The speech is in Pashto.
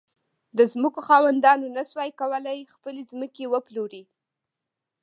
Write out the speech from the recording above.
د ځمکو خاوندانو نه شوای کولای خپلې ځمکې وپلوري.